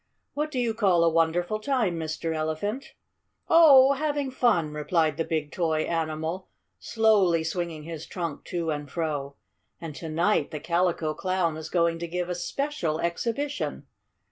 "What do you call a wonderful time, Mr. Elephant?" "Oh, having fun," replied the big toy animal, slowly swinging his trunk to and fro. "And to night the Calico Clown is going to give a special exhibition."